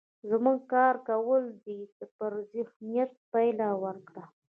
زموږ کار کولو د ده پر ذهنيت پايله ورکړه.